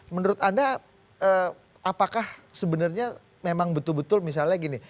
menurut anda apakah sebenarnya memang betul betul misalnya gini